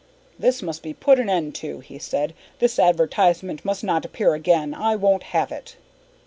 "This must be put an end to," he said. "This advertisement must not appear again. I won't have it!"